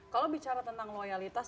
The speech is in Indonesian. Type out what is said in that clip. kalau bicara tentang loyalitas